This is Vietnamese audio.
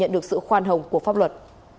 được sự khoan hồng của pháp luật